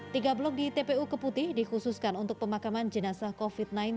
tiga blok di tpu keputih dikhususkan untuk pemakaman jenazah covid sembilan belas